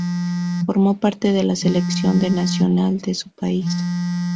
Formó parte de la selección de nacional de su país.